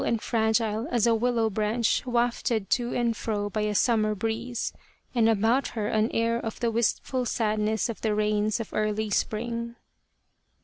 140 Urasato, or the Crow of Dawn to and fro by a summer breeze, and about her an air of the wistful sadness of the rains of early spring.